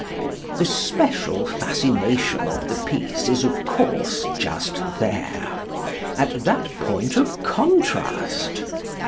The special fascination of the piece is, of course, just there at that point of contrast.